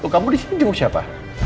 kamu di sini jenguk siapa